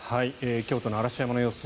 京都の嵐山の様子